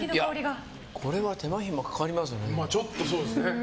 これは手間暇がかかってますね。